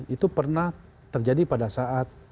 itu pernah terjadi pada saat